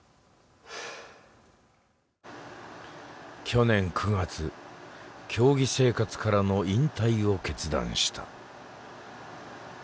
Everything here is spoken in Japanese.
去年９月競技生活からの引退を決断した。